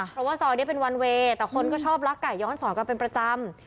เพราะว่าซอยนี้เป็นวันเวย์แต่คนก็ชอบลักไก่ย้อนสอนกันเป็นประจำ